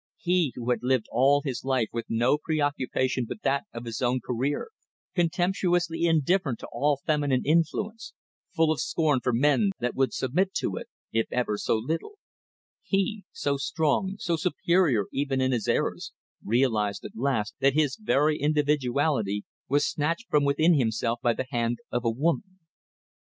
He who had lived all his life with no preoccupation but that of his own career, contemptuously indifferent to all feminine influence, full of scorn for men that would submit to it, if ever so little; he, so strong, so superior even in his errors, realized at last that his very individuality was snatched from within himself by the hand of a woman.